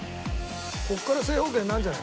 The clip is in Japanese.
ここから正方形になるんじゃない？